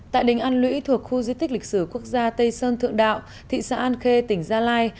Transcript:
tại đình an lũy thuộc khu di tích lịch sử quốc gia tây sơn thượng đạo thị xã an khê tỉnh gia lai